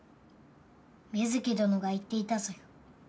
美月どのが言っていたぞよ。